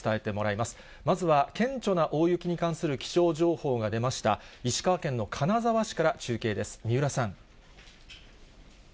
まずは顕著な大雪に関する気象情報が出ました、石川県の金沢市から中継です、三浦さん。